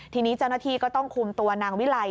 ทีนี้เจ้าหน้าที่ก็ต้องคุมตัวนางวิไล